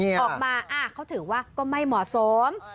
ออกมาเขาถือว่าก็ไม่เหมาะสม